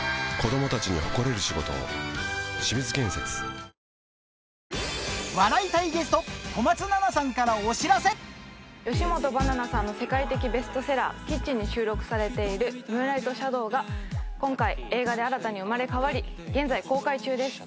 他のもよろしく笑いたいゲスト吉本ばななさんの世界的ベストセラー『キッチン』に収録されている『ムーンライト・シャドウ』が今回映画で新たに生まれ変わり現在公開中です。